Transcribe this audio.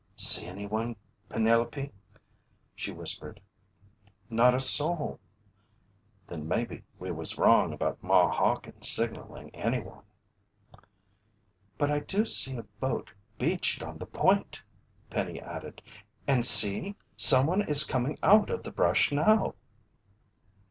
"See anyone, Penelope?" she whispered. "Not a soul." "Then maybe we was wrong about Ma Hawkins signalling anyone." "But I do see a boat beached on the point!" Penny added. "And see! Someone is coming out of the bush now!"